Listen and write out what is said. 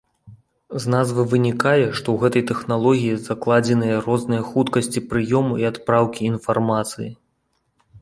З назвы вынікае, што ў гэтай тэхналогіі закладзеныя розныя хуткасці прыёму і адпраўкі інфармацыі.